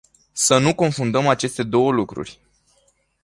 Să nu confundăm aceste două lucruri.